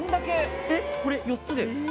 えっこれ４つで？